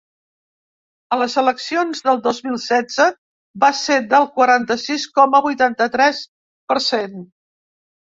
A les eleccions del dos mil setze va ser del quaranta-sis coma vuitanta-tres per cent.